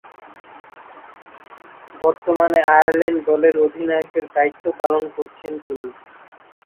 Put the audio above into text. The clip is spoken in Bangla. বর্তমানে আয়ারল্যান্ড দলের অধিনায়কের দায়িত্ব পালন করছেন তিনি।